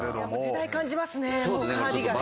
時代感じますねカーディガンが。